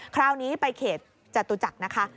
คราวนี้ไปเขตจตุจักรนะคะ